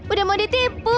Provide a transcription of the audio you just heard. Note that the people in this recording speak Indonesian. udah mau ditipu